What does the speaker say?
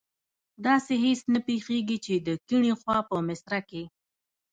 داسې هېڅ نه پیښیږي چې د کیڼي خوا په مصره کې.